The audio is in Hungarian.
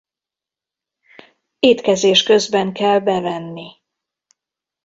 Étkezés közben kell bevenni.